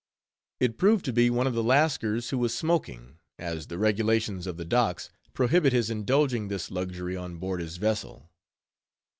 It proved to be one of the Lascars who was smoking, as the regulations of the docks prohibit his indulging this luxury on board his vessel.